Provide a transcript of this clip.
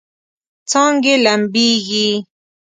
څانګې لمبیږي